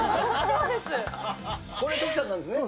これ徳ちゃんなんですね。